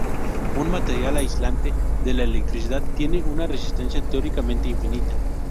Un material aislante de la electricidad tiene una resistencia teóricamente infinita.